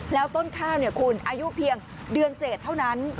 แล้วต้นข้าวคุณอายุเพียงเดือนเศษเท่านั้น